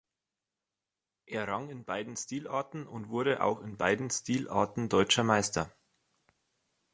Er rang in beiden Stilarten und wurde auch in beiden Stilarten deutscher Meister.